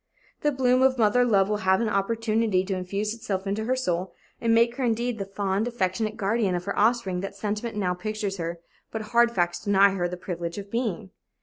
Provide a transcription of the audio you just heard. The bloom of mother love will have an opportunity to infuse itself into her soul and make her, indeed, the fond, affectionate guardian of her offspring that sentiment now pictures her but hard facts deny her the privilege of being.